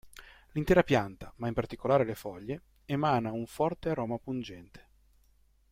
L'intera pianta, ma in particolare le foglie, emana un forte aroma pungente.